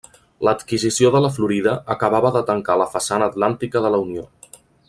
L'adquisició de la Florida acabava de tancar la façana atlàntica de la Unió.